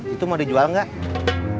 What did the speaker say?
itu mau dijual gak